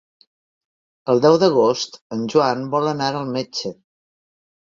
El deu d'agost en Joan vol anar al metge.